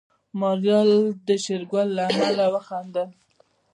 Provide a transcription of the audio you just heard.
ماريا د شېرګل له عمل وخندل.